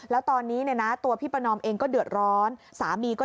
แล้วตอนนี้เนี่ยนะตัวพี่ประนอมเองก็เดือดร้อนสามีก็